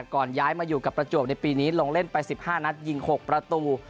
ก่อนย้ายมาอยู่กับประจวบในปีนี้ลงเล่นไป๑๕นัดยิง๖ประตู